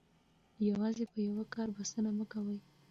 یوازې په یوه کار بسنه مه کوئ.